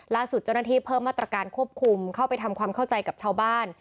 ล่าสุดเจ้าหน้าที่เพิ่มมาตรการควบคุมเข้าไปทำความเข้าใจกับชาวบ้าน